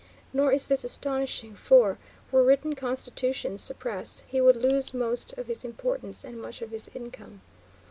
Nor is this astonishing, for, were written constitutions suppressed, he would lose most of his importance and much of his income.